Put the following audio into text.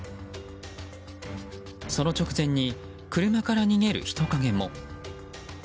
その直前に、車から逃げる人影も。